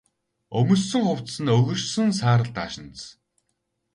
Өмссөн хувцас нь өгөршсөн саарал даашинз.